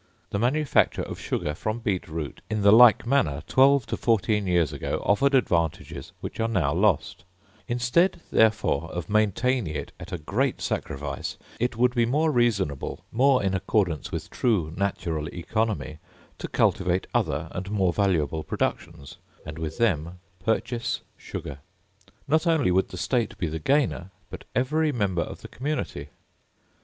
The manufacture of sugar from beet root, in the like manner, twelve to fourteen years ago offered advantages which are now lost: instead, therefore, of maintaining it at a great sacrifice, it would be more reasonable, more in accordance with true natural economy, to cultivate other and more valuable productions, and with them purchase sugar. Not only would the state be the gainer, but every member of the community.